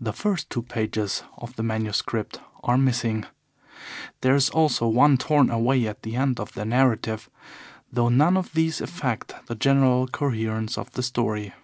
The first two pages of the manuscript are missing. There is also one torn away at the end of the narrative, though none of these affect the general coherence of the story.